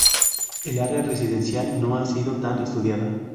El área residencial no ha sido tan estudiada.